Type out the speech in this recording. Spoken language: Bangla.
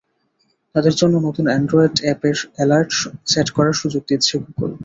তাঁদের জন্য নতুন অ্যান্ড্রয়েড অ্যাপের অ্যালার্ট সেট করার সুযোগ দিচ্ছে গুগল।